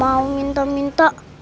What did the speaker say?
aku gak mau minta minta